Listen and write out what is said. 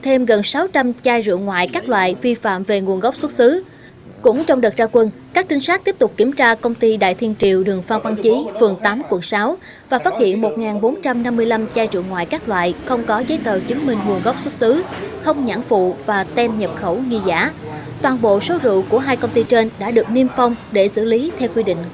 hãy đăng ký kênh để ủng hộ kênh của chúng mình nhé